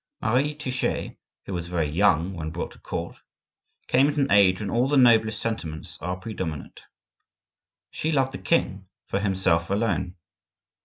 Marie Touchet, who was very young when brought to court, came at an age when all the noblest sentiments are predominant. She loved the king for himself alone.